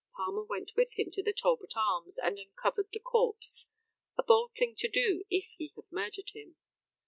Palmer went with him to the Talbot Arms, and uncovered the corpse a bold thing to do if he had murdered him.